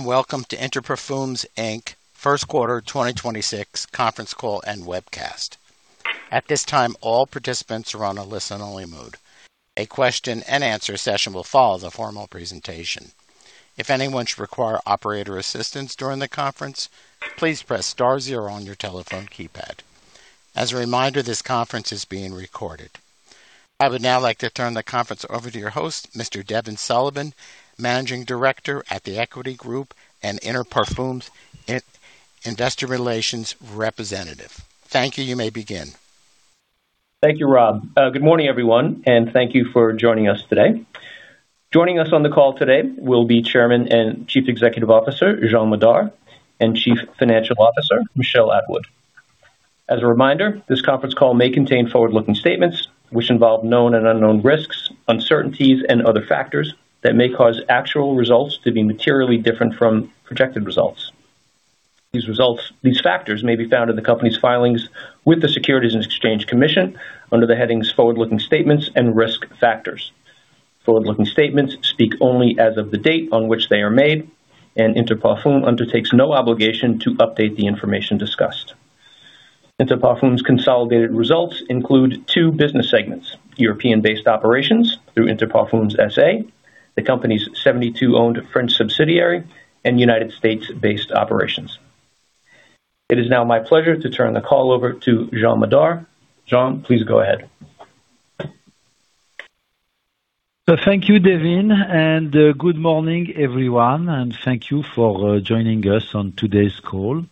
Welcome to Inter Parfums Inc. first quarter 2026 conference call and webcast. At this time, all participants are on a listen-only mode. A question and answer session will follow the formal presentation. If anyone should require operator assistance during the conference, please press star 0 on your telephone keypad. As a reminder, this conference is being recorded. I would now like to turn the conference over to your host, Mr. Devin Sullivan, Managing Director at The Equity Group and Inter Parfums Inc. Investor Relations Representative. Thank you. You may begin. Thank you, Rob. Good morning, everyone, and thank you for joining us today. Joining us on the call today will be Chairman and Chief Executive Officer, Jean Madar, and Chief Financial Officer, Michel Atwood. As a reminder, this conference call may contain forward-looking statements, which involve known and unknown risks, uncertainties and other factors that may cause actual results to be materially different from projected results. These factors may be found in the company's filings with the Securities and Exchange Commission under the headings Forward-looking Statements and Risk Factors. Forward-looking statements speak only as of the date on which they are made, and Inter Parfums undertakes no obligation to update the information discussed. Inter Parfums' consolidated results include two business segments, European-based operations through Inter Parfums SA, the company's 72 owned French subsidiary, and United States-based operations. It is now my pleasure to turn the call over to Jean Madar. Jean, please go ahead. Thank you, Devin, and good morning, everyone, and thank you for joining us on today's call.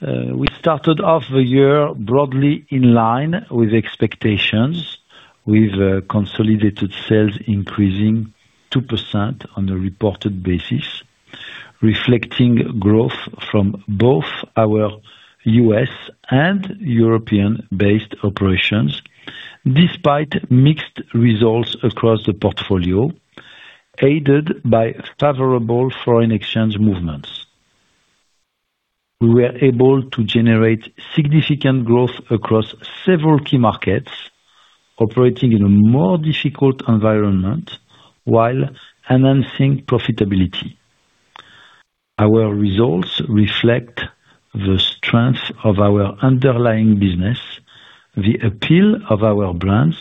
We started off the year broadly in line with expectations, with consolidated sales increasing 2% on a reported basis, reflecting growth from both our U.S. and European-based operations, despite mixed results across the portfolio, aided by favorable foreign exchange movements. We were able to generate significant growth across several key markets, operating in a more difficult environment while enhancing profitability. Our results reflect the strength of our underlying business, the appeal of our brands,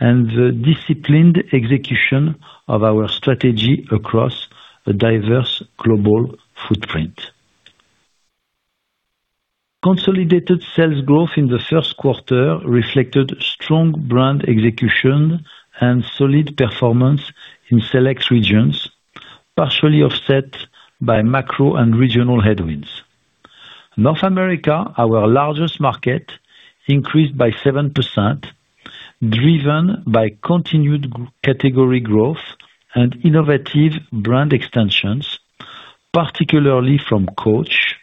and the disciplined execution of our strategy across a diverse global footprint. Consolidated sales growth in the first quarter reflected strong brand execution and solid performance in select regions, partially offset by macro and regional headwinds. North America, our largest market, increased by 7%, driven by continued category growth and innovative brand extensions, particularly from Coach.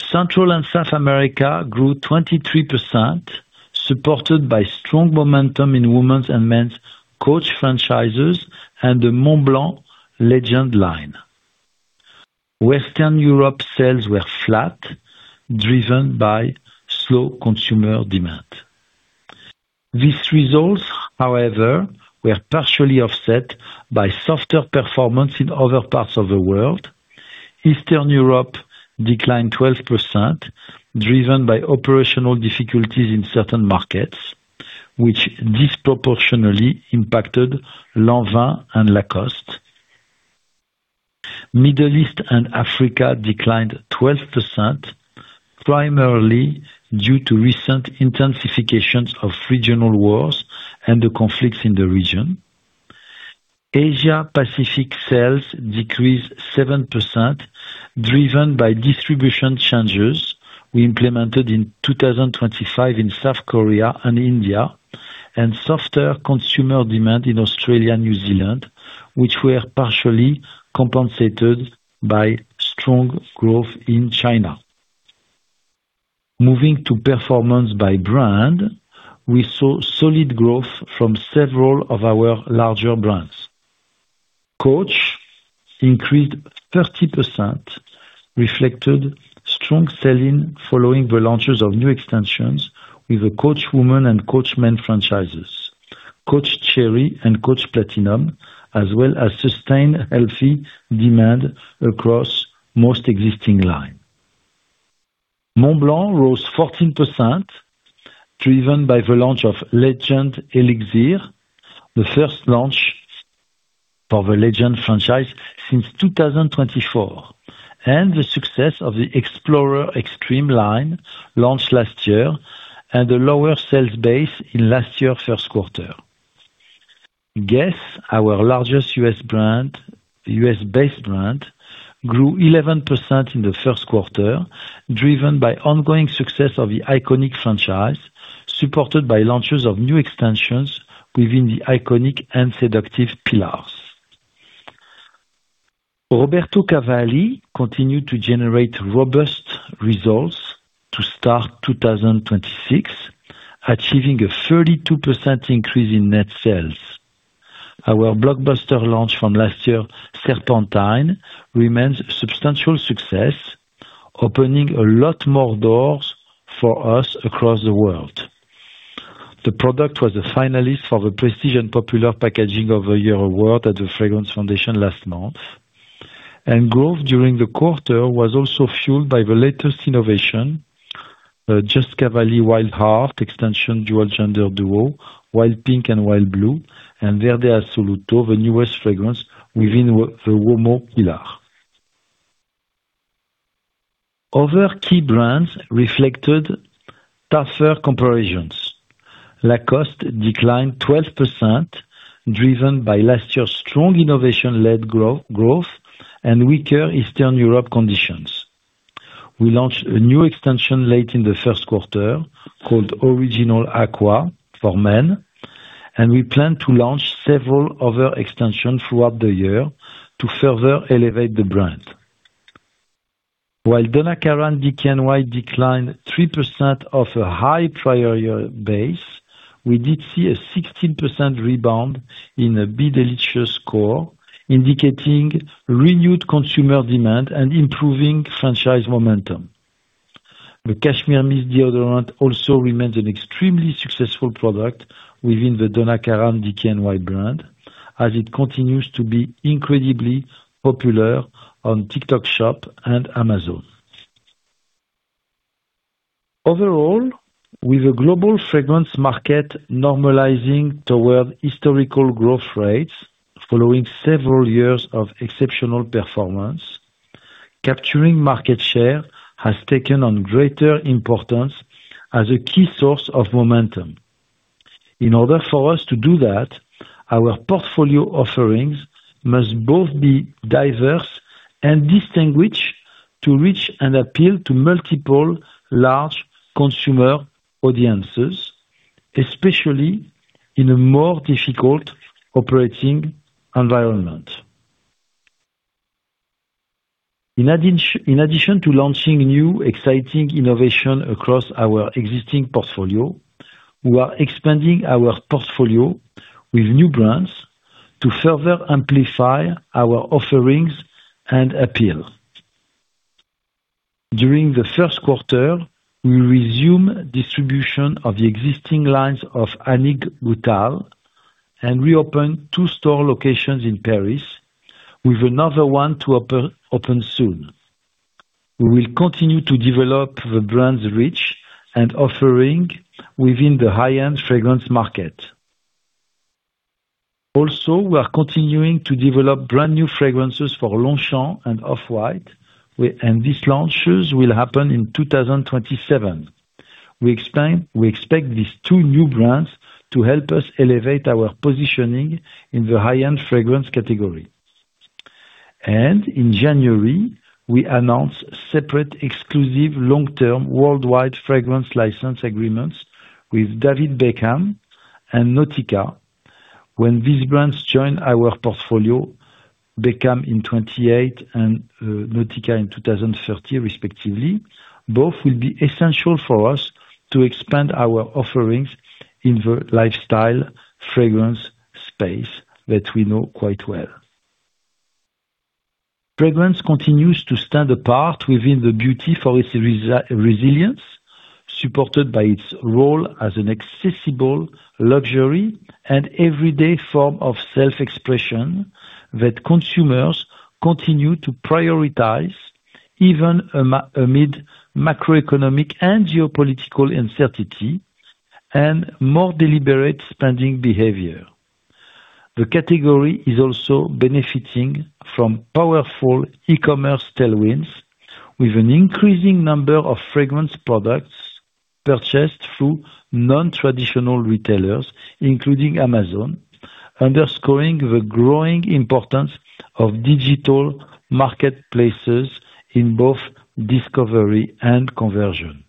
Central and South America grew 23%, supported by strong momentum in women's and men's Coach franchises and the Montblanc Legend line. Western Europe sales were flat, driven by slow consumer demand. These results, however, were partially offset by softer performance in other parts of the world. Eastern Europe declined 12%, driven by operational difficulties in certain markets, which disproportionately impacted Lanvin and Lacoste. Middle East and Africa declined 12%, primarily due to recent intensification of regional wars and the conflicts in the region. Asia Pacific sales decreased 7%, driven by distribution changes we implemented in 2025 in South Korea and India, and softer consumer demand in Australia and New Zealand, which were partially compensated by strong growth in China. Moving to performance by brand, we saw solid growth from several of our larger brands. Coach increased 30%, reflected strong selling following the launches of new extensions with the Coach for Women and Coach for Men franchises, Coach Cherry and Coach Platinum, as well as sustained healthy demand across most existing line. Montblanc rose 14%, driven by the launch of Legend Elixir, the first launch for the Legend franchise since 2024, and the success of the Explorer Extreme line launched last year and a lower sales base in last year's first quarter. GUESS, our largest U.S. based brand, grew 11% in the first quarter, driven by ongoing success of the Iconic franchise, supported by launches of new extensions within the Iconic and Seductive pillars. Roberto Cavalli continued to generate robust results to start 2026, achieving a 32% increase in net sales. Our blockbuster launch from last year, Serpentine, remains a substantial success, opening a lot more doors for us across the world. The product was a finalist for the Prestige and Popular Packaging of the Year award at The Fragrance Foundation last month. Growth during the quarter was also fueled by the latest innovation, Just Cavalli Wild Heart Extension dual gender duo, Wild Pink and Wild Blue, and Verde Assoluto, the newest fragrance within the woman pillar. Other key brands reflected tougher comparisons. Lacoste declined 12%, driven by last year's strong innovation-led growth and weaker Eastern Europe conditions. We launched a new extension late in the first quarter called Original Aqua for Men, and we plan to launch several other extensions throughout the year to further elevate the brand. While Donna Karan/DKNY declined 3% off a high prior year base, we did see a 16% rebound in a Be Delicious core, indicating renewed consumer demand and improving franchise momentum. The Cashmere Mist Deodorant also remains an extremely successful product within the Donna Karan/DKNY brand, as it continues to be incredibly popular on TikTok Shop and Amazon. With the global fragrance market normalizing toward historical growth rates following several years of exceptional performance, capturing market share has taken on greater importance as a key source of momentum. In order for us to do that, our portfolio offerings must both be diverse and distinguished to reach and appeal to multiple large consumer audiences, especially in a more difficult operating environment. In addition to launching new exciting innovation across our existing portfolio, we are expanding our portfolio with new brands to further amplify our offerings and appeal. During the first quarter, we will resume distribution of the existing lines of Goutal and reopen two store locations in Paris, with another one to open soon. We will continue to develop the brand's reach and offering within the high-end fragrance market. We are continuing to develop brand-new fragrances for Longchamp and Off-White, and these launches will happen in 2027. We expect these two new brands to help us elevate our positioning in the high-end fragrance category. In January, we announced separate exclusive long-term worldwide fragrance license agreements with David Beckham and Nautica. When these brands join our portfolio, Beckham in 2028 and Nautica in 2030, respectively, both will be essential for us to expand our offerings in the lifestyle fragrance space that we know quite well. Fragrance continues to stand apart within the beauty for its resilience, supported by its role as an accessible luxury and everyday form of self-expression that consumers continue to prioritize even amid macroeconomic and geopolitical uncertainty and more deliberate spending behavior. The category is also benefiting from powerful e-commerce tailwinds, with an increasing number of fragrance products purchased through non-traditional retailers, including Amazon, underscoring the growing importance of digital marketplaces in both discovery and conversion.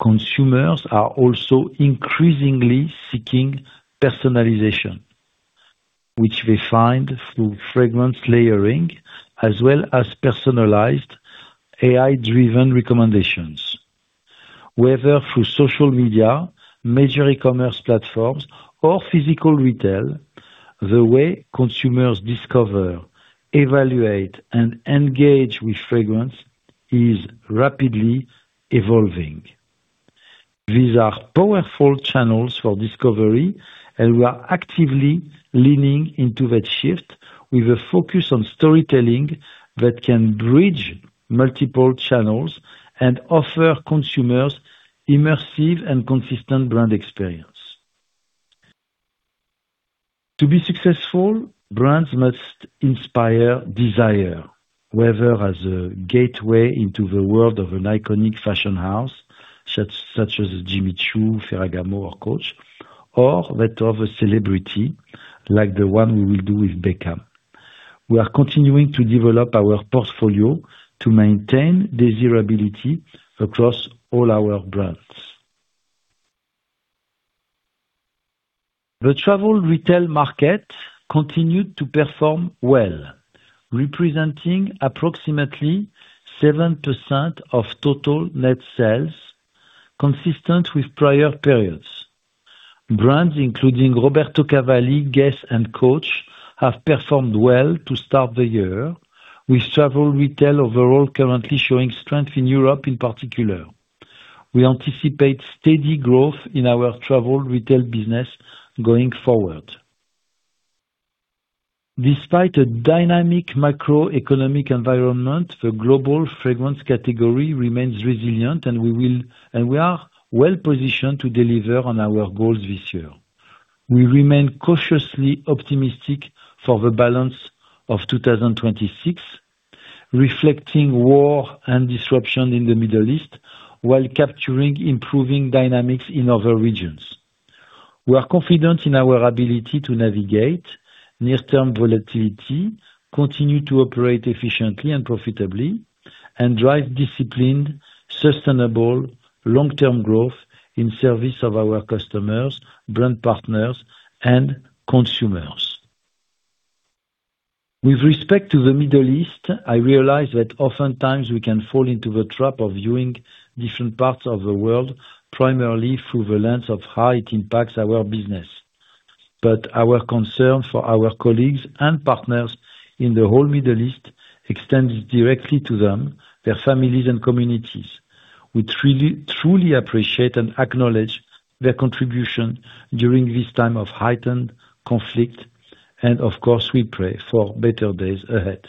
Consumers are also increasingly seeking personalization, which they find through fragrance layering as well as personalized AI-driven recommendations. Whether through social media, major e-commerce platforms, or physical retail, the way consumers discover, evaluate, and engage with fragrance is rapidly evolving. These are powerful channels for discovery. We are actively leaning into that shift with a focus on storytelling that can bridge multiple channels and offer consumers immersive and consistent brand experience. To be successful, brands must inspire desire, whether as a gateway into the world of an iconic fashion house such as Jimmy Choo, Ferragamo, or Coach, or that of a celebrity like the one we will do with Beckham. We are continuing to develop our portfolio to maintain desirability across all our brands. The travel retail market continued to perform well, representing approximately 7% of total net sales, consistent with prior periods. Brands including Roberto Cavalli, GUESS, and Coach have performed well to start the year, with travel retail overall currently showing strength in Europe in particular. We anticipate steady growth in our travel retail business going forward. Despite a dynamic macroeconomic environment, the global fragrance category remains resilient, and we are well-positioned to deliver on our goals this year. We remain cautiously optimistic for the balance of 2026, reflecting war and disruption in the Middle East while capturing improving dynamics in other regions. We are confident in our ability to navigate near-term volatility, continue to operate efficiently and profitably, and drive disciplined, sustainable, long-term growth in service of our customers, brand partners, and consumers. With respect to the Middle East, I realize that oftentimes we can fall into the trap of viewing different parts of the world primarily through the lens of how it impacts our business. Our concern for our colleagues and partners in the whole Middle East extends directly to them, their families, and communities. We truly appreciate and acknowledge their contribution during this time of heightened conflict. Of course, we pray for better days ahead.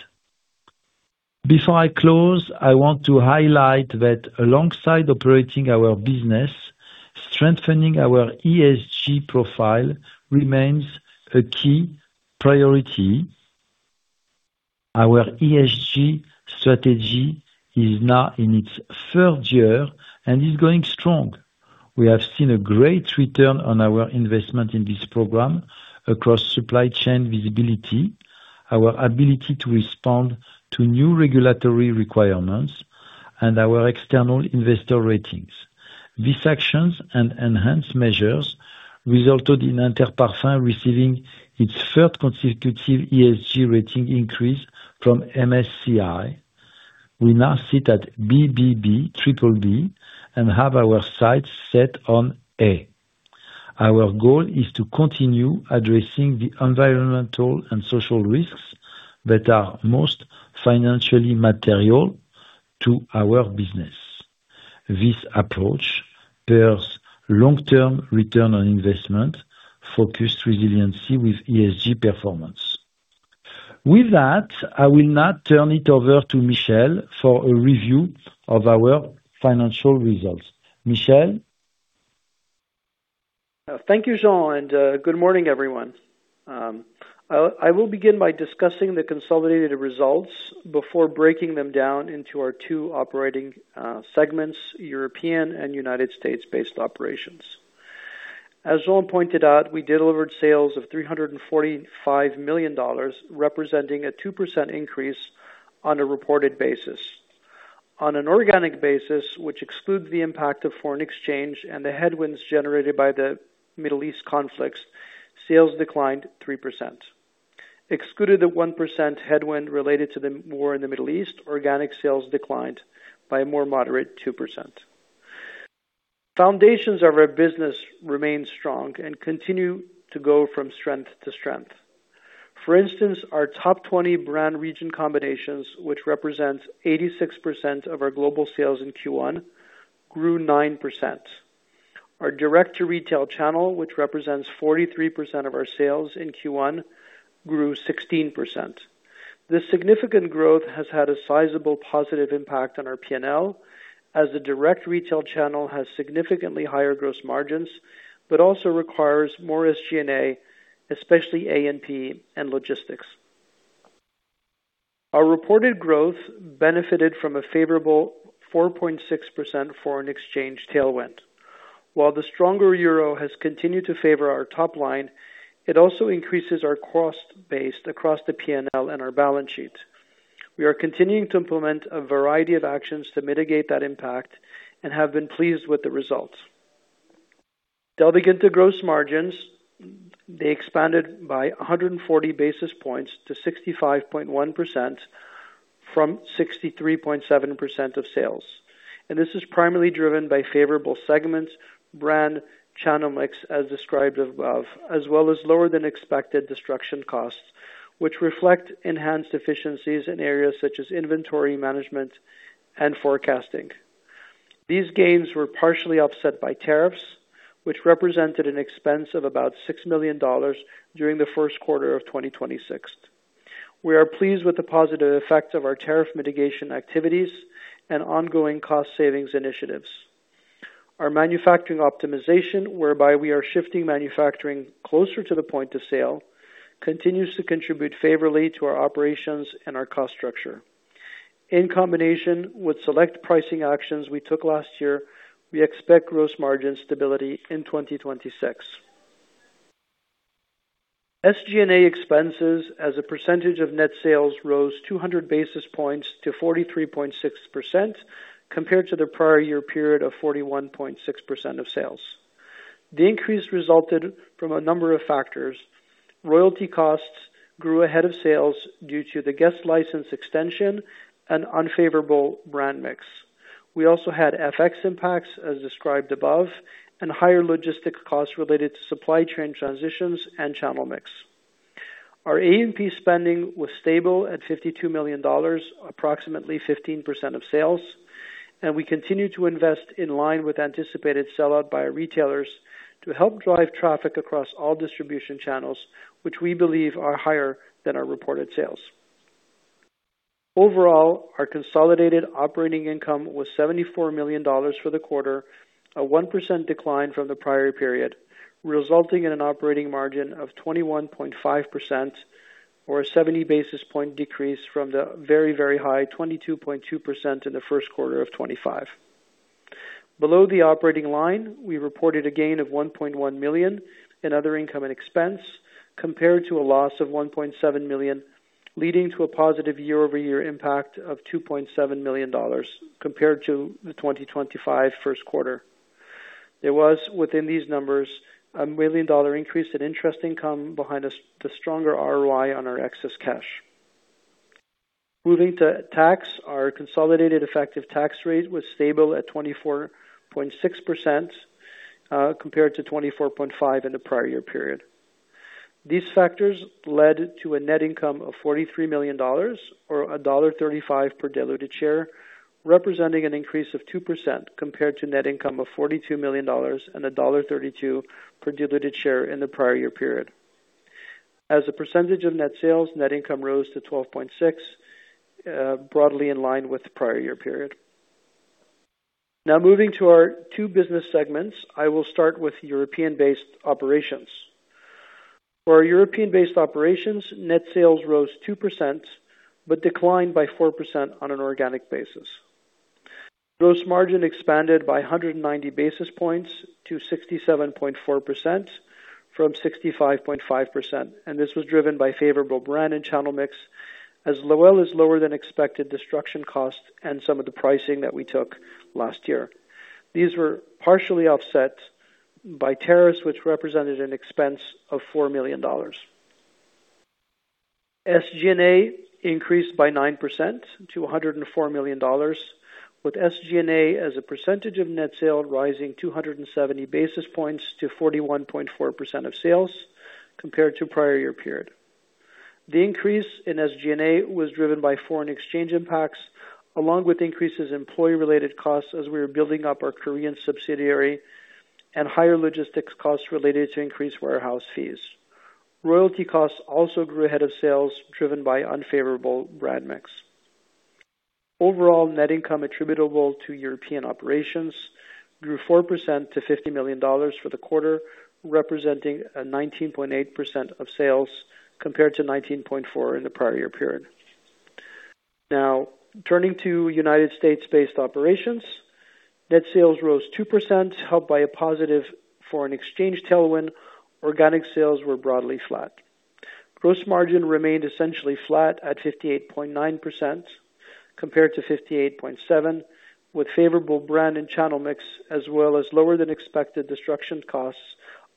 Before I close, I want to highlight that alongside operating our business, strengthening our ESG profile remains a key priority. Our ESG strategy is now in its third year and is going strong. We have seen a great return on our investment in this program across supply chain visibility, our ability to respond to new regulatory requirements, and our external investor ratings. These actions and enhanced measures resulted in Inter Parfums receiving its third consecutive ESG rating increase from MSCI. We now sit at BBB, triple B, and have our sights set on A. Our goal is to continue addressing the environmental and social risks that are most financially material to our business. This approach pairs long-term return on investment, focused resiliency with ESG performance. With that, I will now turn it over to Michel for a review of our financial results. Michel? Thank you, Jean. Good morning, everyone. I will begin by discussing the consolidated results before breaking them down into our two operating segments, European and United States-based operations. As Jean pointed out, we delivered sales of $345 million, representing a 2% increase on a reported basis. On an organic basis, which excludes the impact of foreign exchange and the headwinds generated by the Middle East conflicts, sales declined 3%. Excluded the 1% headwind related to the war in the Middle East, organic sales declined by a more moderate 2%. Foundations of our business remain strong and continue to go from strength to strength. For instance, our top 20 brand region combinations, which represents 86% of our global sales in Q1, grew 9%. Our direct-to-retail channel, which represents 43% of our sales in Q1, grew 16%. This significant growth has had a sizable positive impact on our P&L, as the direct retail channel has significantly higher gross margins but also requires more SG&A, especially A&P and logistics. Our reported growth benefited from a favorable 4.6% foreign exchange tailwind. While the stronger euro has continued to favor our top line, it also increases our cost base across the P&L and our balance sheet. We are continuing to implement a variety of actions to mitigate that impact and have been pleased with the results. Delving into gross margins, they expanded by 140 basis points to 65.1% from 63.7% of sales. This is primarily driven by favorable segments, brand channel mix as described above, as well as lower than expected destruction costs, which reflect enhanced efficiencies in areas such as inventory management and forecasting. These gains were partially offset by tariffs, which represented an expense of about $6 million during the first quarter of 2026. We are pleased with the positive effect of our tariff mitigation activities and ongoing cost savings initiatives. Our manufacturing optimization, whereby we are shifting manufacturing closer to the point of sale, continues to contribute favorably to our operations and our cost structure. In combination with select pricing actions we took last year, we expect gross margin stability in 2026. SG&A expenses as a percentage of net sales rose 200 basis points to 43.6% compared to the prior year period of 41.6% of sales. The increase resulted from a number of factors. Royalty costs grew ahead of sales due to the GUESS license extension and unfavorable brand mix. We also had FX impacts as described above, and higher logistics costs related to supply chain transitions and channel mix. Our A&P spending was stable at $52 million, approximately 15% of sales, and we continue to invest in line with anticipated sellout by retailers to help drive traffic across all distribution channels, which we believe are higher than our reported sales. Overall, our consolidated operating income was $74 million for the quarter, a 1% decline from the prior period, resulting in an operating margin of 21.5% or a 70 basis point decrease from the very, very high 22.2% in the first quarter of 2025. Below the operating line, we reported a gain of $1.1 million in other income and expense compared to a loss of $1.7 million, leading to a positive year-over-year impact of $2.7 million compared to the 2025 first quarter. There was, within these numbers, a $1 million increase in interest income behind us, the stronger ROI on our excess cash. Moving to tax, our consolidated effective tax rate was stable at 24.6% compared to 24.5% in the prior year period. These factors led to a net income of $43 million or $1.35 per diluted share, representing an increase of 2% compared to net income of $42 million and $1.32 per diluted share in the prior year period. As a percentage of net sales, net income rose to 12.6%, broadly in line with the prior year period. Moving to our two business segments. I will start with European-based operations. For our European-based operations, net sales rose 2%, declined by 4% on an organic basis. Gross margin expanded by 190 basis points to 67.4% from 65.5%. This was driven by favorable brand and channel mix, as well as lower than expected destruction costs and some of the pricing that we took last year. These were partially offset by tariffs, which represented an expense of $4 million. SG&A increased by 9% to $104 million, with SG&A as a percentage of net sale rising 270 basis points to 41.4% of sales compared to prior year period. The increase in SG&A was driven by FX impacts, along with increases in employee-related costs as we are building up our Korean subsidiary and higher logistics costs related to increased warehouse fees. Royalty costs also grew ahead of sales, driven by unfavorable brand mix. Overall, net income attributable to European operations grew 4% to $50 million for the quarter, representing a 19.8% of sales compared to 19.4% in the prior year period. Turning to United States-based operations. Net sales rose 2%, helped by a positive foreign exchange tailwind. Organic sales were broadly flat. Gross margin remained essentially flat at 58.9% compared to 58.7%, with favorable brand and channel mix as well as lower than expected destruction costs,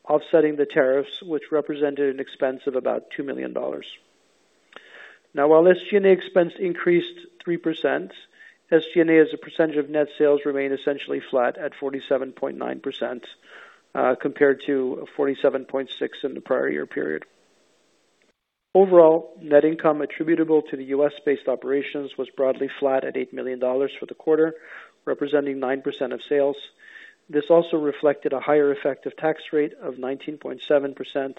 offsetting the tariffs, which represented an expense of about $2 million. While SG&A expense increased 3%, SG&A as a percentage of net sales remained essentially flat at 47.9% compared to 47.6% in the prior year period. Overall, net income attributable to the U.S. based operations was broadly flat at $8 million for the quarter, representing 9% of sales. This also reflected a higher effective tax rate of 19.7%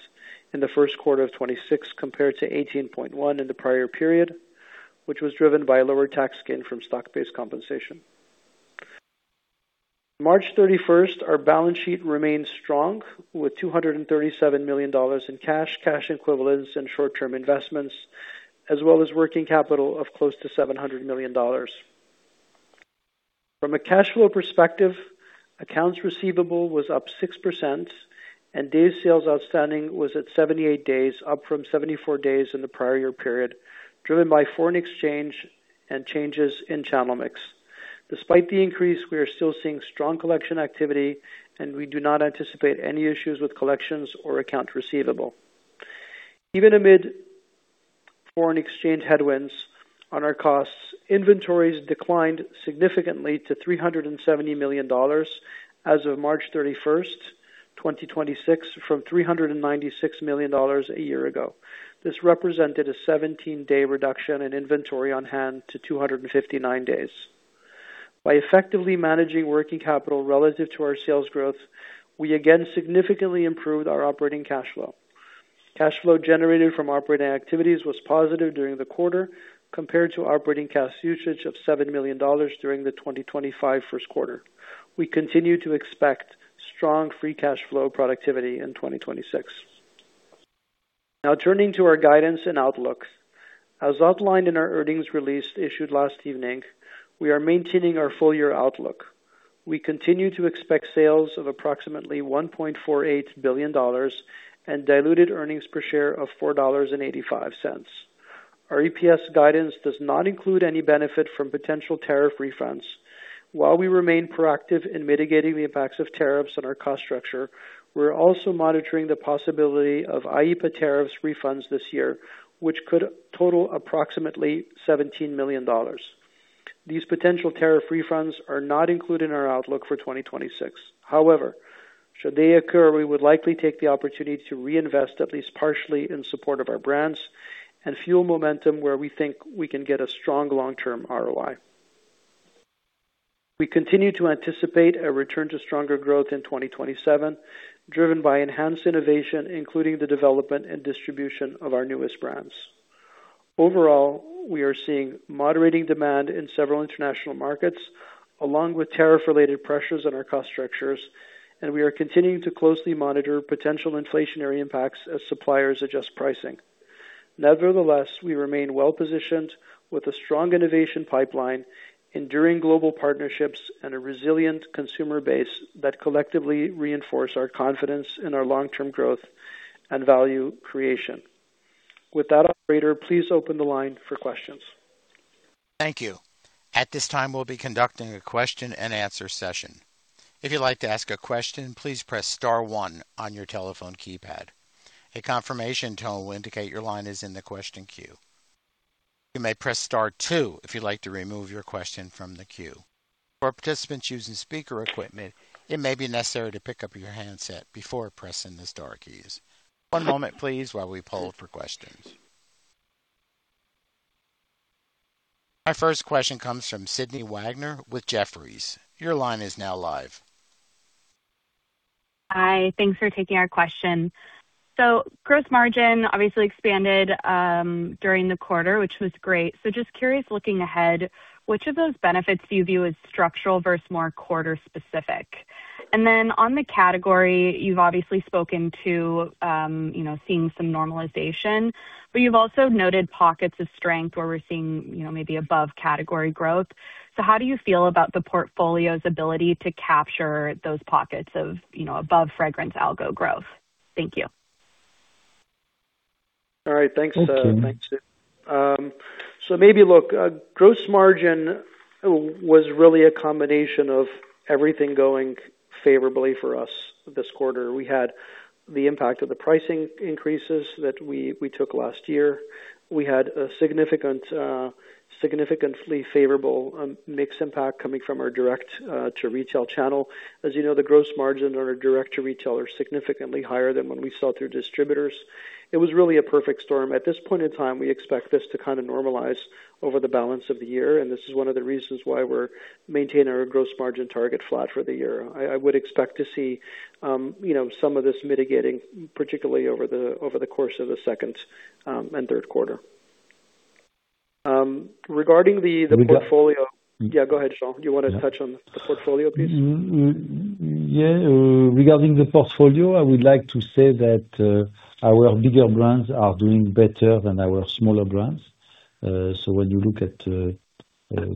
in the first quarter of 2026 compared to 18.1% in the prior period, which was driven by a lower tax gain from stock-based compensation. March 31st, our balance sheet remained strong with $237 million in cash equivalents and short-term investments, as well as working capital of close to $700 million. From a cash flow perspective, accounts receivable was up 6%, and days sales outstanding was at 78 days, up from 74 days in the prior year period, driven by foreign exchange and changes in channel mix. Despite the increase, we are still seeing strong collection activity, and we do not anticipate any issues with collections or accounts receivable. Even amid foreign exchange headwinds on our costs, inventories declined significantly to $370 million as of March 31st, 2026, from $396 million a year ago. This represented a 17-day reduction in inventory on hand to 259 days. By effectively managing working capital relative to our sales growth, we again significantly improved our operating cash flow. Cash flow generated from operating activities was positive during the quarter compared to operating cash usage of $7 million during the 2025 first quarter. We continue to expect strong free cash flow productivity in 2026. Turning to our guidance and outlook. As outlined in our earnings release issued last evening, we are maintaining our full-year outlook. We continue to expect sales of approximately $1.48 billion and diluted earnings per share of $4.85. Our EPS guidance does not include any benefit from potential tariff refunds. While we remain proactive in mitigating the effects of tariffs on our cost structure, we're also monitoring the possibility of IEEPA tariffs refunds this year, which could total approximately $17 million. These potential tariff refunds are not included in our outlook for 2026. Should they occur, we would likely take the opportunity to reinvest, at least partially, in support of our brands and fuel momentum where we think we can get a strong long-term ROI. We continue to anticipate a return to stronger growth in 2027, driven by enhanced innovation, including the development and distribution of our newest brands. Overall, we are seeing moderating demand in several international markets, along with tariff-related pressures on our cost structures, and we are continuing to closely monitor potential inflationary impacts as suppliers adjust pricing. We remain well-positioned with a strong innovation pipeline, enduring global partnerships, and a resilient consumer base that collectively reinforce our confidence in our long-term growth and value creation. With that, Operator, please open the line for questions. Thank you. At this time, we'll be conducting a question-and-answer session. If you'd like to ask a question, please press star one on your telephone keypad. A confirmation tone will indicate your line is in the question queue. You may press star two if you'd like to remove your question from the queue. For participants using speaker equipment, it may be necessary to pick up your handset before pressing the star keys. One moment, please, while we poll for questions. Our first question comes from Sydney Wagner with Jefferies. Your line is now live. Hi. Thanks for taking our question. Gross margin obviously expanded during the quarter, which was great. Just curious, looking ahead, which of those benefits do you view as structural versus more quarter-specific? On the category, you've obviously spoken to, you know, seeing some normalization, but you've also noted pockets of strength where we're seeing, you know, maybe above category growth. How do you feel about the portfolio's ability to capture those pockets of, you know, above fragrance category growth? Thank you. All right. Thanks. Thank you. Thanks, Sydney. Maybe look, gross margin was really a combination of everything going favorably for us this quarter. We had the impact of the pricing increases that we took last year. We had a significant, significantly favorable mix impact coming from our direct to retail channel. As you know, the gross margin on our direct to retail are significantly higher than when we sell through distributors. It was really a perfect storm. At this point in time, we expect this to kind of normalize over the balance of the year. This is one of the reasons why we're maintain our gross margin target flat for the year. I would expect to see, you know, some of this mitigating, particularly over the course of the second and third quarter. We got- Yeah, go ahead, Jean. You wanna touch on the portfolio piece? Regarding the portfolio, I would like to say that our bigger brands are doing better than our smaller brands. When you look at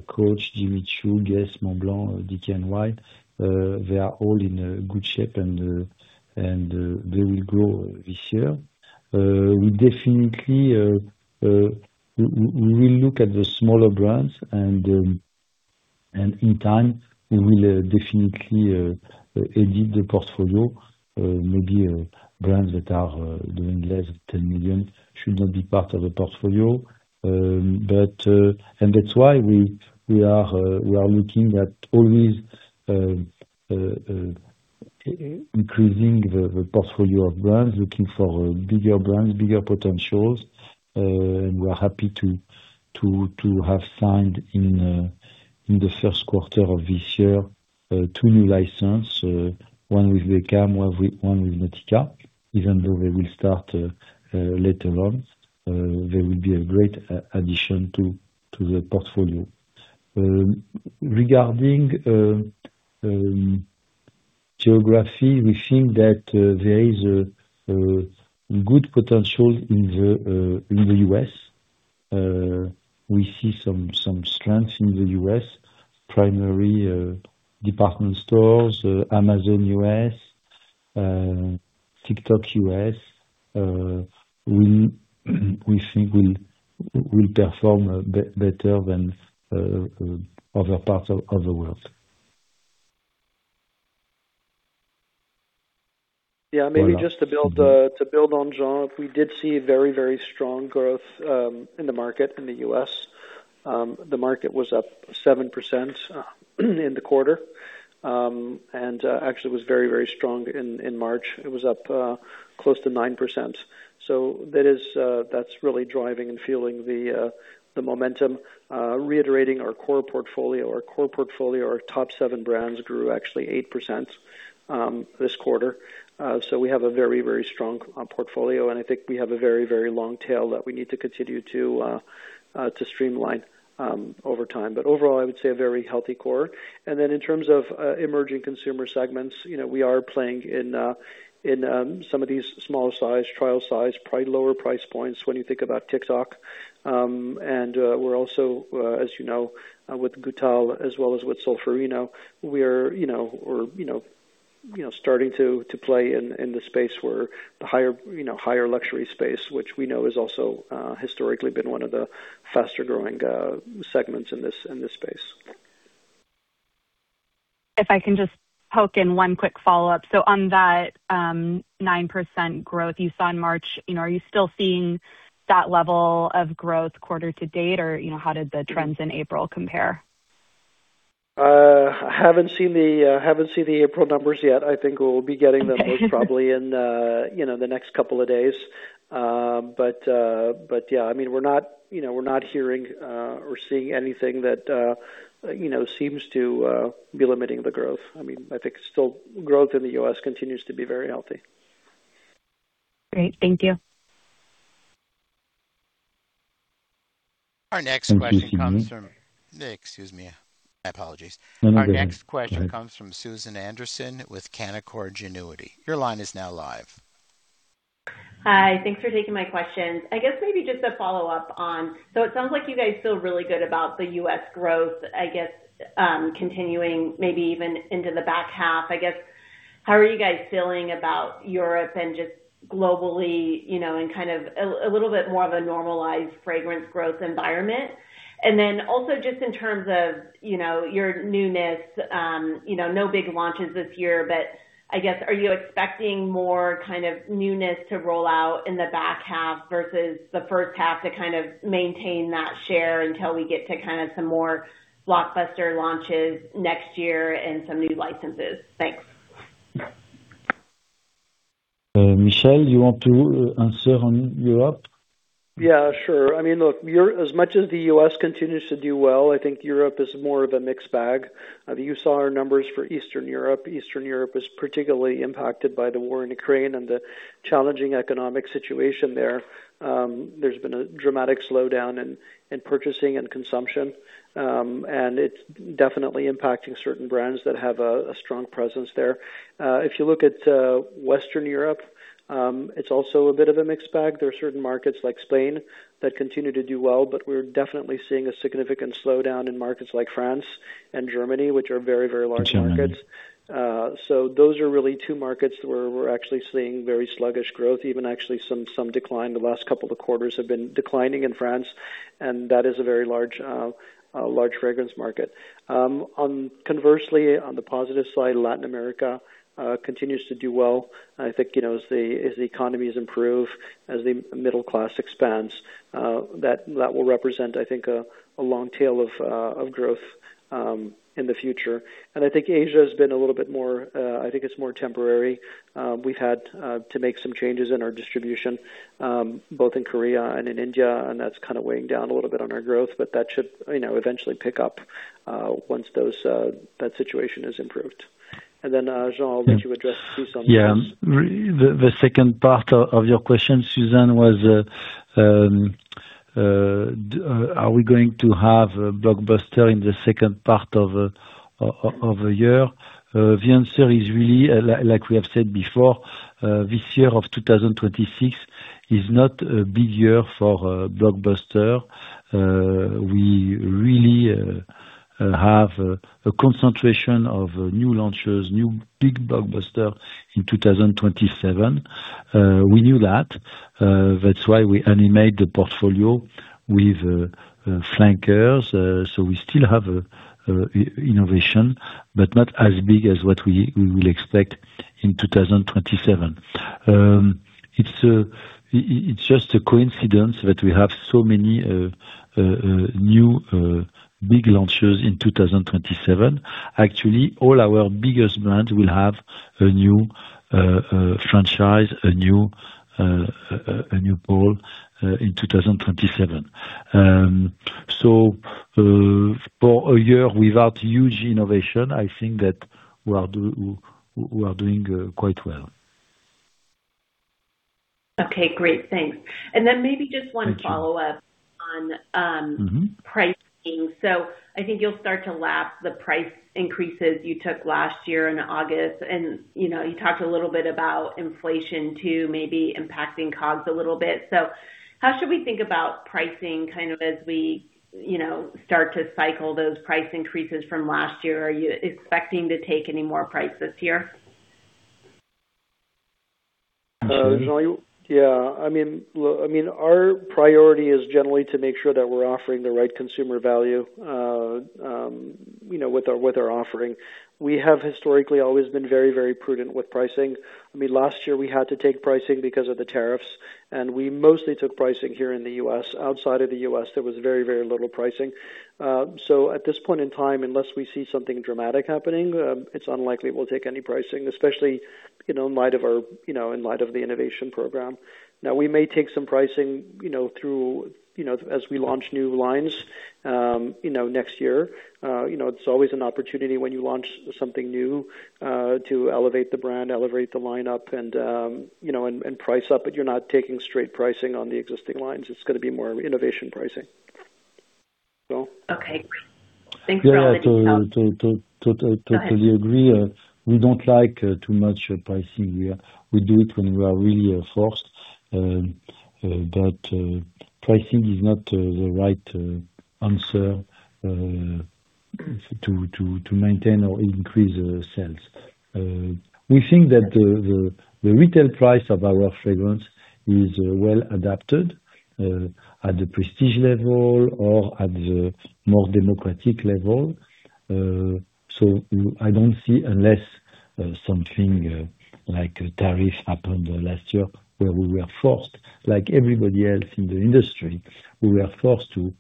Coach, Jimmy Choo, GUESS, Montblanc, DKNY, they are all in good shape and they will grow this year. We definitely will look at the smaller brands and in time, we will definitely edit the portfolio. Maybe brands that are doing less than $10 million should not be part of the portfolio. That's why we are looking at always increasing the portfolio of brands, looking for bigger brands, bigger potentials. We're happy to have signed in the first quarter of this year, two new license, one with David Beckham, one with Nautica. Even though they will start later on, they will be a great addition to the portfolio. Regarding geography, we think that there is a good potential in the U.S. We see some strength in the U.S., primary, department stores, Amazon U.S., TikTok U.S., we think will perform better than other parts of the world. Maybe just to build, to build on Jean, we did see very, very strong growth in the market in the U.S. The market was up 7% in the quarter, and actually was very, very strong in March. It was up close to 9%. That is that's really driving and fueling the momentum. Reiterating our core portfolio. Our core portfolio, our top seven brands grew actually 8% this quarter. We have a very, very strong portfolio, and I think we have a very, very long tail that we need to continue to streamline over time. Overall, I would say a very healthy core. In terms of emerging consumer segments, you know, we are playing in some of these smaller size, trial size, lower price points when you think about TikTok. We're also, as you know, with Goutal as well as with Solférino we're, you know, starting to play in the space where the higher luxury space, which we know is also historically been one of the faster-growing segments in this space. If I can just poke in one quick follow-up. On that, 9% growth you saw in March, you know, are you still seeing that level of growth quarter to date? You know, how did the trends in April compare? I haven't seen the April numbers yet. I think we'll be getting them. Okay. Most probably in, you know, the next couple of days. Yeah, I mean, we're not, you know, we're not hearing or seeing anything that, you know, seems to be limiting the growth. I mean, I think still growth in the U.S. continues to be very healthy. Great. Thank you. Our next question comes from Excuse me. My apologies. Our next question comes from Susan Anderson with Canaccord Genuity. Your line is now live. Hi. Thanks for taking my questions. I guess maybe just a follow-up. It sounds like you guys feel really good about the U.S. growth, I guess, continuing maybe even into the back half. I guess, how are you guys feeling about Europe and just globally, you know, in kind of a little bit more of a normalized fragrance growth environment? Also just in terms of, you know, your newness, you know, no big launches this year, I guess, are you expecting more kind of newness to roll out in the back half versus the first half to maintain that share until we get to some more blockbuster launches next year and some new licenses? Thanks. Michel, you want to answer on Europe? Yeah, sure. I mean, look, as much as the U.S. continues to do well, I think Europe is more of a mixed bag. You saw our numbers for Eastern Europe. Eastern Europe is particularly impacted by the war in Ukraine and the challenging economic situation there. There's been a dramatic slowdown in purchasing and consumption, and it's definitely impacting certain brands that have a strong presence there. If you look at Western Europe, it's also a bit of a mixed bag. There are certain markets like Spain that continue to do well, we're definitely seeing a significant slowdown in markets like France and Germany, which are very large markets. Those are really two markets where we're actually seeing very sluggish growth, even actually some decline. The last couple of quarters have been declining in France, and that is a very large fragrance market. Conversely, on the positive side, Latin America continues to do well. I think, you know, as the economies improve, as the middle class expands, that will represent, I think, a long tail of growth in the future. I think Asia has been a little bit more, I think it's more temporary. We've had to make some changes in our distribution, both in Korea and in India, and that's kind of weighing down a little bit on our growth, but that should, you know, eventually pick up once those that situation has improved. Then, Jean, I'll let you address too some of this. Yeah. The second part of your question, Susan, was, are we going to have a blockbuster in the second part of the year? The answer is really like we have said before, this year of 2026 is not a big year for blockbuster. We really have a concentration of new launches, new big blockbuster in 2027. We knew that's why we animate the portfolio with flankers. We still have innovation, but not as big as what we will expect in 2027. It's just a coincidence that we have so many new big launches in 2027. Actually, all our biggest brands will have a new franchise, a new poll in 2027. For a year without huge innovation, I think that we are doing quite well. Okay, great. Thanks. Maybe just one follow-up. Thank you. On-pricing. I think you'll start to lap the price increases you took last year in August. You know, you talked a little bit about inflation too, maybe impacting COGS a little bit. How should we think about pricing kind of as we, you know, start to cycle those price increases from last year? Are you expecting to take any more price this year? Yeah. I mean, look, I mean, our priority is generally to make sure that we're offering the right consumer value, you know, with our, with our offering. We have historically always been very, very prudent with pricing. I mean, last year we had to take pricing because of the tariffs, and we mostly took pricing here in the U.S. Outside of the U.S., there was very, very little pricing. At this point in time, unless we see something dramatic happening, it's unlikely we'll take any pricing, especially, you know, in light of our, you know, in light of the innovation program. Now, we may take some pricing, you know, through, you know, as we launch new lines, you know, next year. You know, it's always an opportunity when you launch something new, to elevate the brand, elevate the lineup, and, you know, and price up, but you're not taking straight pricing on the existing lines. It's gonna be more innovation pricing. Okay, great. Thanks for all the detail. Yeah. Totally agree. We don't like too much pricing here. We do it when we are really forced. Pricing is not the right answer to maintain or increase sales. We think that the retail price of our fragrance is well adapted at the prestige level or at the more democratic level. I don't see, unless something like a tariff happened last year where we were forced, like everybody else in the industry, we were forced to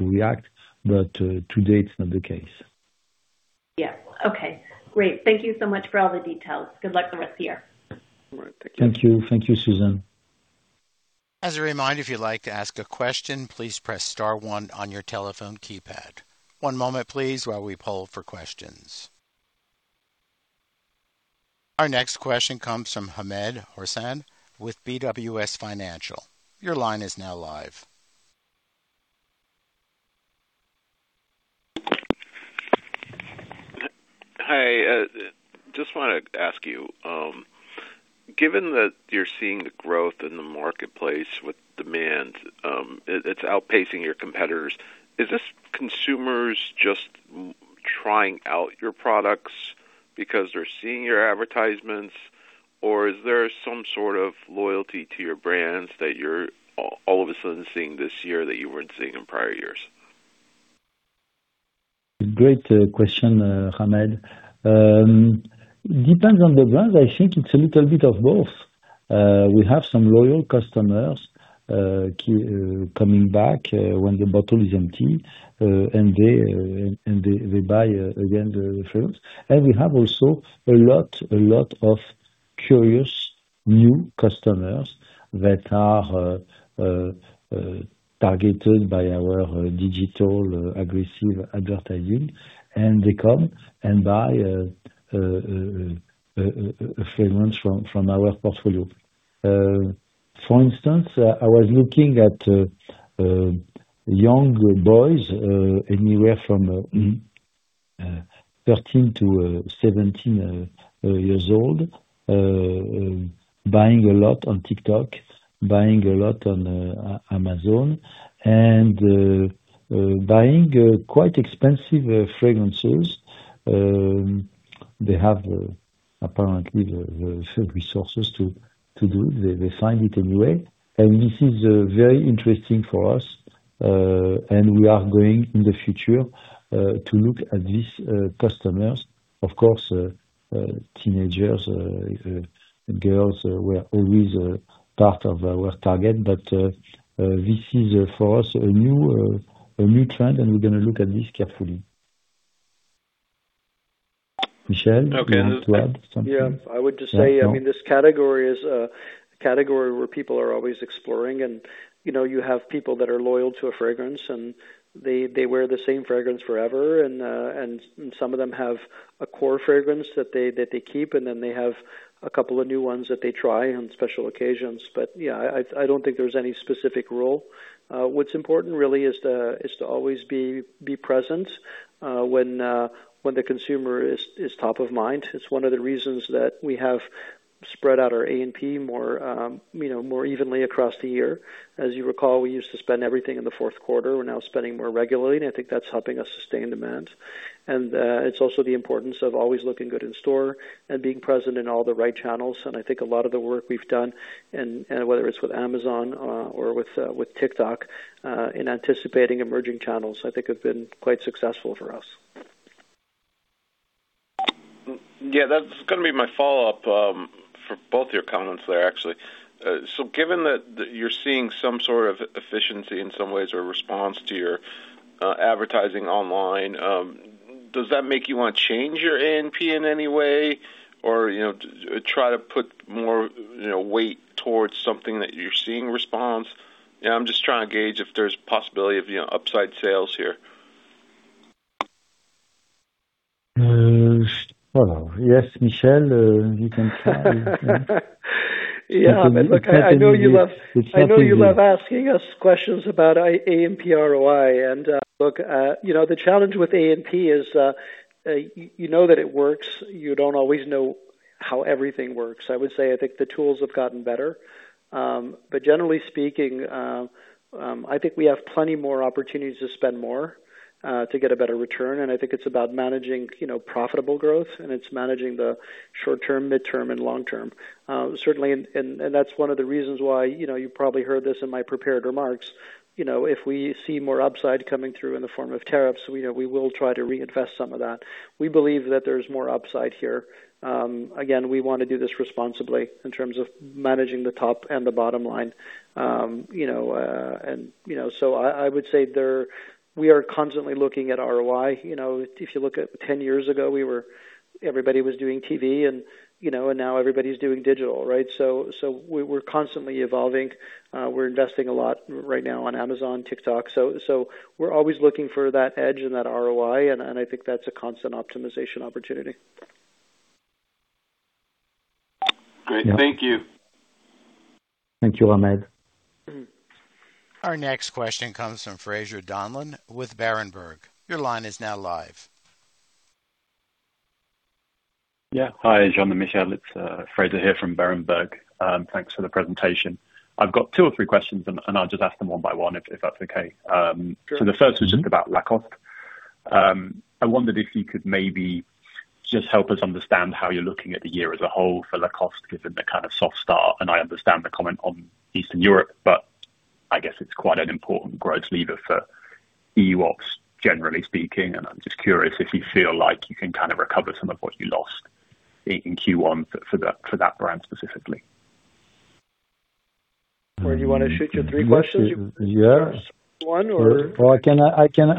react. To date, it's not the case. Yeah. Okay. Great. Thank you so much for all the details. Good luck the rest of the year. Thank you. Thank you, Susan. As a reminder, if you'd like to ask a question, please press star one on your telephone keypad. One moment, please, while we poll for questions. Our next question comes from Hamed Khorsand with BWS Financial. Your line is now live. Hi. Just want to ask you, given that you're seeing the growth in the marketplace with demand, it's outpacing your competitors, is this consumers just trying out your products because they're seeing your advertisements? Is there some sort of loyalty to your brands that you're all of a sudden seeing this year that you weren't seeing in prior years? Great question, Hamed. Depends on the brand. I think it's a little bit of both. We have some loyal customers coming back when the bottle is empty, and they buy again the fragrance. We have also a lot of curious new customers that are targeted by our digital aggressive advertising, and they come and buy fragrance from our portfolio. For instance, I was looking at young boys anywhere from 13 to 17 years old buying a lot on TikTok, buying a lot on Amazon, buying quite expensive fragrances. They have apparently the resources to do. They find it anyway. This is very interesting for us, we are going in the future to look at these customers. Of course, teenagers, girls were always part of our target, but this is for us a new, a new trend, and we're going to look at this carefully. Michel, do you want to add something? Yeah, I would just say, I mean, this category is a category where people are always exploring, and you know you have people that are loyal to a fragrance, and they wear the same fragrance forever. Some of them have a core fragrance that they keep, and then they have a couple of new ones that they try on special occasions. Yeah, I don't think there's any specific rule. What's important really is to always be present when the consumer is top of mind. It's one of the reasons that we have spread out our A&P more, you know, more evenly across the year. As you recall, we used to spend everything in the fourth quarter. We're now spending more regularly, and I think that's helping us sustain demand. It's also the importance of always looking good in store and being present in all the right channels. I think a lot of the work we've done, and whether it's with Amazon or with TikTok, in anticipating emerging channels, I think have been quite successful for us. Yeah, that's gonna be my follow-up, for both your comments there, actually. Given that you're seeing some sort of efficiency in some ways or response to your advertising online, does that make you want to change your A&P in any way? Or, you know, try to put more, you know, weight towards something that you're seeing response? I'm just trying to gauge if there's possibility of, you know, upside sales here. Well, yes, Michel, you can start. Look, I know you love, I know you love asking us questions about A&P ROI. Look, you know, the challenge with A&P is, you know that it works. You don't always know how everything works. I would say I think the tools have gotten better. Generally speaking, I think we have plenty more opportunities to spend more, to get a better return. I think it's about managing, you know, profitable growth, and it's managing the short-term, midterm, and long-term. Certainly, and that's one of the reasons why, you know, you probably heard this in my prepared remarks. You know, if we see more upside coming through in the form of tariffs, we know we will try to reinvest some of that. We believe that there's more upside here. Again, we want to do this responsibly in terms of managing the top and the bottom line. You know, we are constantly looking at ROI. You know, if you look at 10 years ago, everybody was doing TV and, you know, now everybody's doing digital, right? We're constantly evolving. We're investing a lot right now on Amazon, TikTok. We're always looking for that edge and that ROI, and I think that's a constant optimization opportunity. Great. Thank you. Thank you, Hamed. Our next question comes from Fraser Donlon with Berenberg. Your line is now live. Hi, Jean and Michel. It's Fraser here from Berenberg. Thanks for the presentation. I've got two or three questions, and I'll just ask them one by one, if that's okay. The first is just about Lacoste. I wondered if you could just help us understand how you're looking at the year as a whole for Lacoste, given the kind of soft start. I understand the comment on Eastern Europe, but I guess it's quite an important growth lever for EU ops, generally speaking. I'm just curious if you feel like you can kind of recover some of what you lost in Q1 for that brand specifically. You wanna shoot your three questions? Yeah. One or- I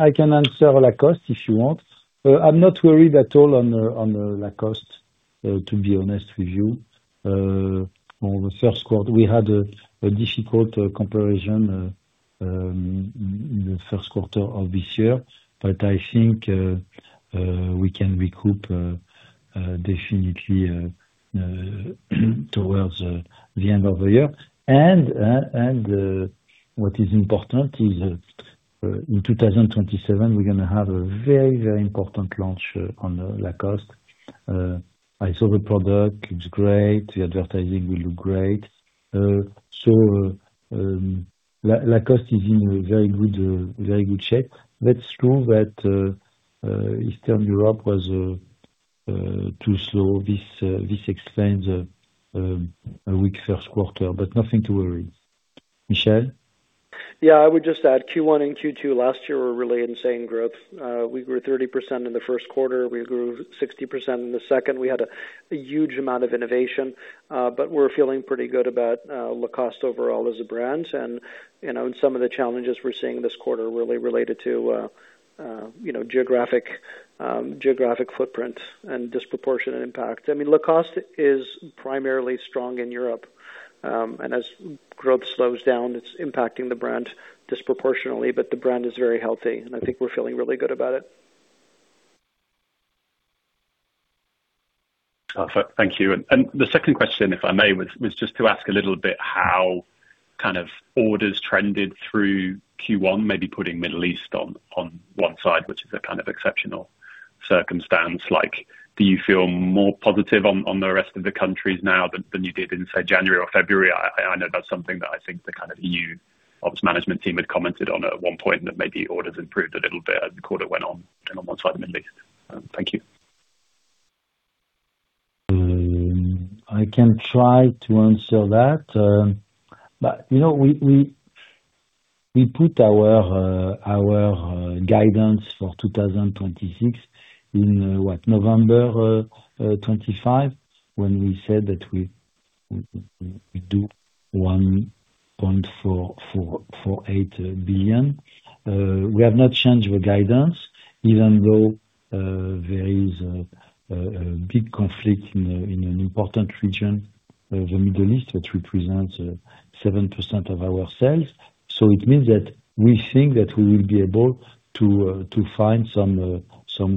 can answer Lacoste if you want. I'm not worried at all on the Lacoste, to be honest with you. On the first quarter, we had a difficult comparison in the first quarter of this year. I think we can recoup definitely towards the end of the year. What is important is in 2027, we're gonna have a very, very important launch on Lacoste. I saw the product, it's great. The advertising will look great. So Lacoste is in very good shape. That's true that Eastern Europe was too slow. This explains a weak first quarter, but nothing to worry. Michel? Yeah, I would just add Q1 and Q2 last year were really insane growth. We grew 30% in the first quarter. We grew 60% in the second. We had a huge amount of innovation, but we're feeling pretty good about Lacoste overall as a brand and, you know, and some of the challenges we're seeing this quarter really related to, you know, geographic footprint and disproportionate impact. I mean, Lacoste is primarily strong in Europe, and as growth slows down, it's impacting the brand disproportionately, but the brand is very healthy, and I think we're feeling really good about it. Thank you. The second question, if I may, was just to ask a little bit how kind of orders trended through Q1, maybe putting Middle East on one side, which is a kind of exceptional circumstance. Like, do you feel more positive on the rest of the countries now than you did in, say, January or February? I know that's something that I think the kind of EU ops management team had commented on at one point, that maybe orders improved a little bit as the quarter went on and on one side of the Middle East. Thank you. I can try to answer that. You know, we put our guidance for 2026 in November 2025, when we said that we do $1.48 billion. We have not changed the guidance, even though there is a big conflict in an important region, the Middle East, which represents 7% of our sales. It means that we think that we will be able to find some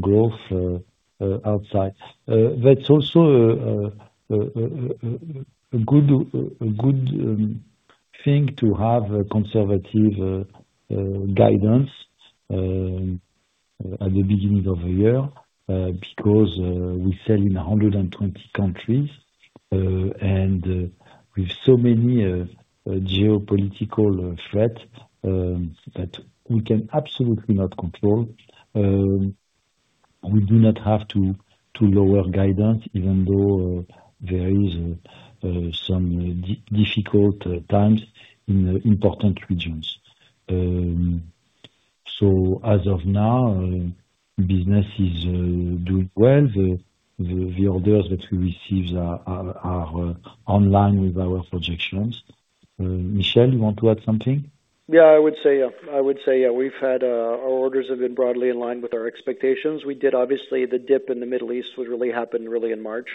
growth outside. That's also a good thing to have a conservative guidance at the beginning of the year because we sell in 120 countries and with so many geopolitical threat that we can absolutely not control. We do not have to lower guidance, even though there is some difficult times in important regions. As of now, business is doing well. The orders that we receive are online with our projections. Michel, you want to add something? Yeah, I would say, yeah. I would say, yeah, we've had our orders have been broadly in line with our expectations. We did. Obviously, the dip in the Middle East would really happen really in March.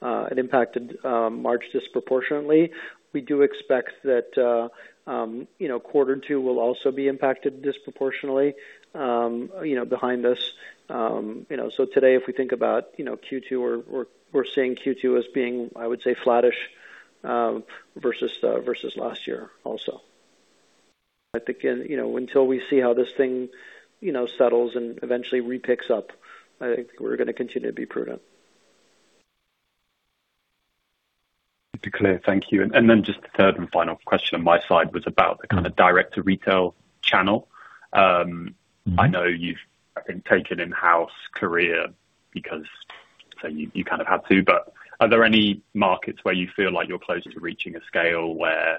It impacted March disproportionately. We do expect that, you know, Q2 will also be impacted disproportionately, you know, behind us. You know, so today, if we think about, you know, Q2, we're seeing Q2 as being, I would say, flattish, versus last year also. I think, you know, until we see how this thing, you know, settles and eventually repicks up, I think we're gonna continue to be prudent. Super clear. Thank you. Then just the third and final question on my side was about the kind of direct-to-retail channel. I know you've, I think, taken in-house Korea because you kind of had to, but are there any markets where you feel like you're closer to reaching a scale where, you know,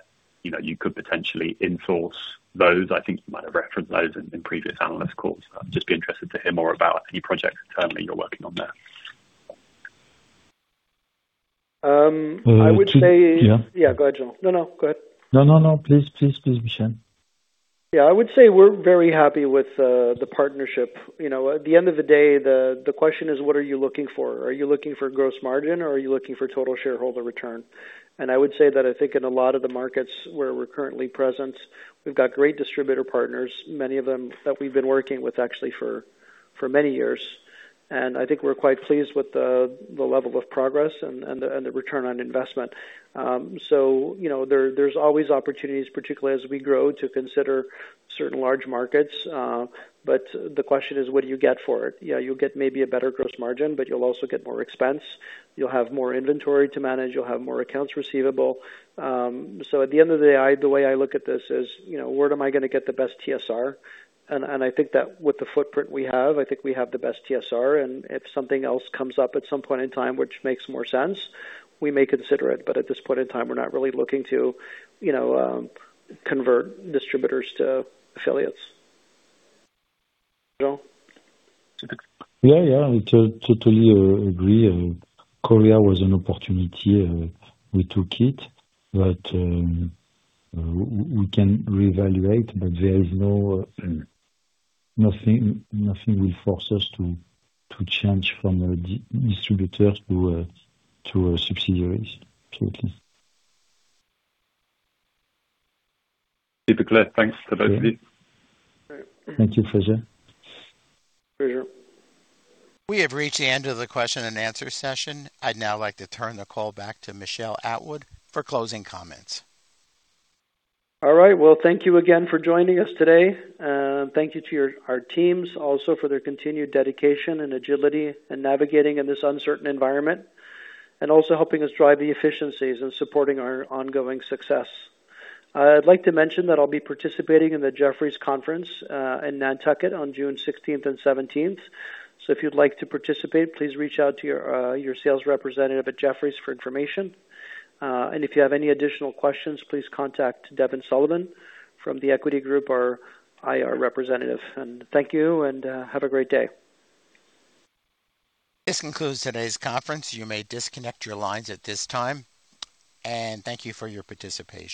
you could potentially in-source those? I think you might have referenced those in previous analyst calls. I'd just be interested to hear more about any projects internally you're working on there. Um, I would say- Jean. Yeah, go ahead, Jean. No, no, go ahead. No, no. Please, please, Michel. I would say we're very happy with the partnership. You know, at the end of the day, the question is, what are you looking for? Are you looking for gross margin or are you looking for total shareholder return? I would say that I think in a lot of the markets where we're currently present, we've got great distributor partners, many of them that we've been working with actually for many years. I think we're quite pleased with the level of progress and the return on investment. You know, there's always opportunities, particularly as we grow, to consider certain large markets. The question is, what do you get for it? You'll get maybe a better gross margin, but you'll also get more expense. You'll have more inventory to manage. You'll have more accounts receivable. At the end of the day, the way I look at this is, you know, where am I gonna get the best TSR? I think that with the footprint we have, I think we have the best TSR. If something else comes up at some point in time which makes more sense, we may consider it. At this point in time, we're not really looking to, you know, convert distributors to affiliates. Jean? Yeah, yeah. I totally agree. Korea was an opportunity. We took it, but we can reevaluate, but there is nothing will force us to change from a distributor to a subsidiaries. Absolutely. Super clear. Thanks for both of you. Thank you. Pleasure. Pleasure. We have reached the end of the question and answer session. I'd now like to turn the call back to Michel Atwood for closing comments. All right. Well, thank you again for joining us today. Thank you to our teams also for their continued dedication and agility in navigating in this uncertain environment, and also helping us drive the efficiencies and supporting our ongoing success. I'd like to mention that I'll be participating in the Jefferies Consumer Conference in Nantucket on June 16th and 17th. If you'd like to participate, please reach out to your sales representative at Jefferies for information. If you have any additional questions, please contact Devin Sullivan from The Equity Group, our IR representative. Thank you and have a great day. This concludes today's conference. You may disconnect your lines at this time. Thank you for your participation.